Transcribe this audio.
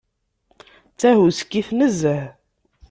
D tahuskit nezzeh.